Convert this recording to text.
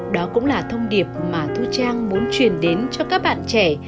đó cũng là thông điệp mà thu trang muốn truyền đến cho các bạn trẻ